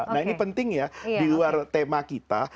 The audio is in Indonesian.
nah ini penting ya di luar tema kita